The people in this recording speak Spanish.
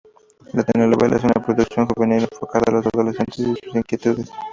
La telenovela es una producción juvenil enfocada a los adolescentes y sus inquietudes.